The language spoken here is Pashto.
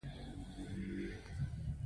د خلکو یوه ستره برخه پیاوړې او ځواکمنه شوې وه.